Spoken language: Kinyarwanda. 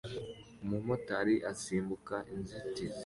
Umumotari asimbuka inzitizi